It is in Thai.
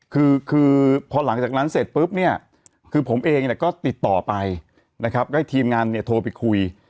คือคือพอหลังจากนั้นเสร็จปุ๊บเนี่ยคือผมเองเนี่ยก็ติดต่อไปนะครับก็ให้ทีมงานเนี่ยโทรไปคุย